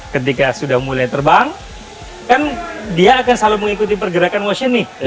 ketika sudah mulai terbang kan dia akan selalu mengikuti pergerakan washion nih